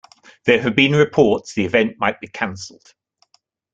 There have been reports the event might be canceled.